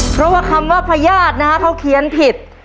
เพราะว่าคำว่าพญาตินะฮะเขาเขียนผิด